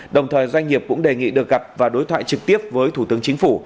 đồng thời doanh nghiệp cũng đề nghị được gặp và đối thoại trực tiếp với thủ tướng chính phủ